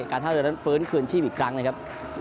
การเท้าเรือนฟื้นคืนชีวิตอีกครั้งนะครับ